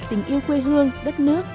tình yêu quê hương đất nước